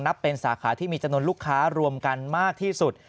นับเป็นสาขาที่มีจำนวนลูกค้ารวมกันมากที่สุด